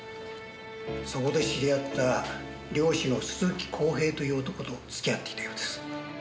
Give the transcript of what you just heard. そこで知り合った漁師の鈴木恒平という男と付き合っていたようです。